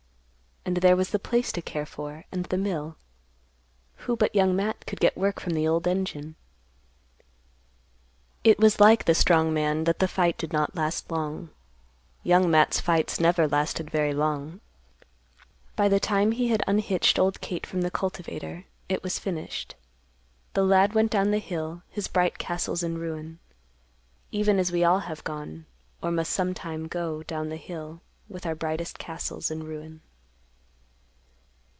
And there was the place to care for, and the mill. Who but Young Matt could get work from the old engine? It was like the strong man that the fight did not last long. Young Matt's fights never lasted very long. By the time he had unhitched old Kate from the cultivator, it was finished. The lad went down the hill, his bright castles in ruin—even as we all have gone, or must sometime go down the hill with our brightest castles in ruin.